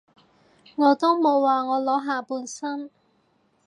我都冇話我裸下半身